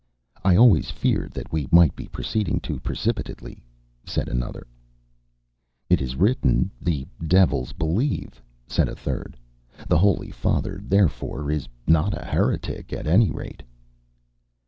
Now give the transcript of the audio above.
"I always feared that we might be proceeding too precipitately," said another. "It is written, 'the devils believe,'" said a third: "the Holy Father, therefore, is not a heretic at any rate."